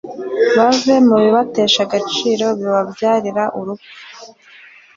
bave mu bibatesha agaciro bibabyarira n’urupfu